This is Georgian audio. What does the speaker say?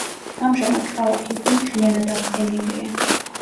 ამჟამად ქალაქი უკვე მთლიანად აღდგენილია.